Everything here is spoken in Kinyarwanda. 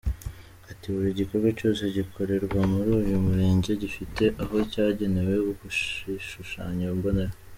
Ati ”Buri gikorwa cyose gikorerwa muri uyu murenge gifite aho cyagenewe ku gishushanyo mbonera.